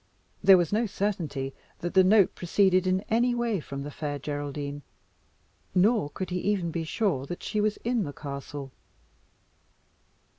There was no certainty that the note proceeded in any way from the Fair Geraldine, nor could he even be sure that she was in the castle.